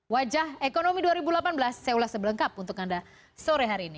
wajah ekonomi dua ribu delapan belas saya ulas sebelengkap untuk anda sore hari ini